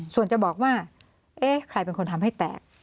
ส่วนจะบอกว่าเอ๊ะใครเป็นคนทำให้แตก